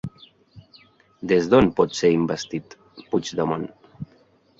Des d'on pot ser investit Puigdemont?